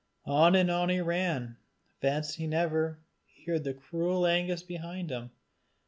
On and on he ran, fancying ever he heard the cruel Angus behind him.